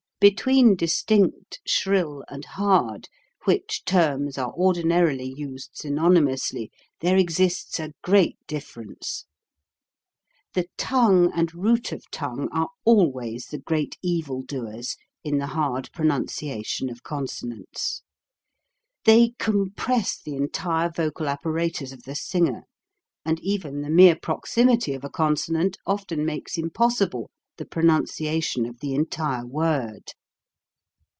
Between distinct, shrill, and hard, which terms are ordinarily used synonymously, there exists a great difference. The tongue and root of tongue are always the great evil doers in the hard pronunciation of consonants. They compress the entire vocal apparatus of the singer and even the mere proximity of a consonant often makes impos sible the pronunciation of the entire word.